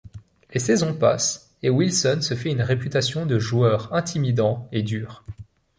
Les saisons passent et Wilson se fait une réputation de joueur intimidant et dur.